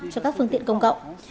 cho các phương tiện công cộng